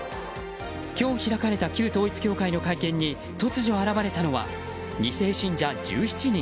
今日開かれた旧統一教会の会見に突如現れたのは２世信者１７人。